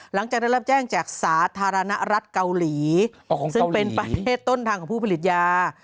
หลังจากได้รับแจ้งจากสาธารณรัฐเกาหลีซึ่งเป็นประเทศต้นทางของผู้ผลิตยา